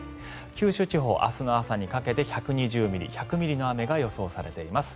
九州地方、明日の朝にかけて１２０ミリ、１００ミリの前が予想されています。